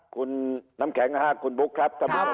คุณน้ำแข็งคุณบุ๊คครับ